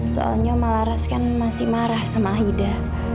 soalnya oma laras kan masih marah sama aida